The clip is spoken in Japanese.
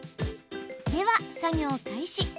では、作業開始。